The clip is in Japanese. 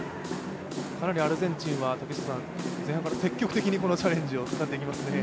かなりアルゼンチンは前半から積極的にこのチャレンジを使っていきますね。